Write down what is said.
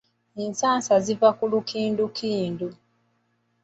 Ensansa ziva ku lukindukundu.